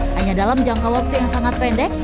hanya dalam jangka waktu yang sangat pendek